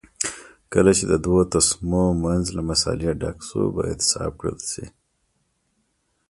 کله چې د دوو تسمو منځ له مسالې ډک شو باید صاف کړل شي.